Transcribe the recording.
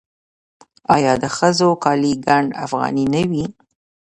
آیا د ښځو کالي ګنډ افغاني نه وي؟